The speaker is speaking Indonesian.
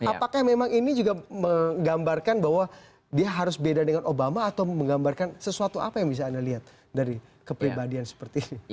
apakah memang ini juga menggambarkan bahwa dia harus beda dengan obama atau menggambarkan sesuatu apa yang bisa anda lihat dari kepribadian seperti ini